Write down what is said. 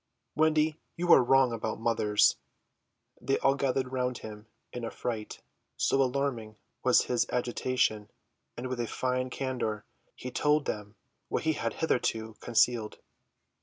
"Wendy, you are wrong about mothers." They all gathered round him in affright, so alarming was his agitation; and with a fine candour he told them what he had hitherto concealed.